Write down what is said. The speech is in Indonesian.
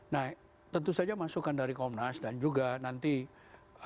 nah tentu saja masukan dari komnas dan juga nanti